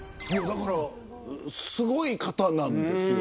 だから、すごい方なんですよ。